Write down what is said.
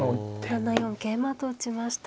７四桂馬と打ちました。